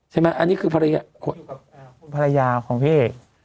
ใช่ไหมอันนี้คือภรรยาของพี่เอก